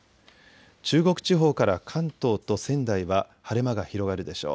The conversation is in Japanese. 中国地方から関東と仙台は晴れ間が広がるでしょう。